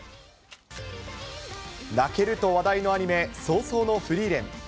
泣けると話題のアニメ、葬送のフリーレン。